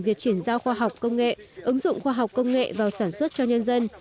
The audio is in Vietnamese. việc chuyển giao khoa học công nghệ ứng dụng khoa học công nghệ vào sản xuất cho nhân dân